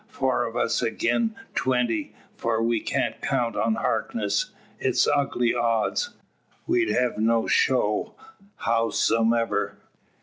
Four o' us agin twenty for we can't count on Harkness it's ugly odds. We'd hev no show, howsomever.